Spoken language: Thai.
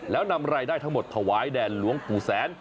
แล้วนำรายได้ทั้งหมดถวายแด่หลวงปู่แสน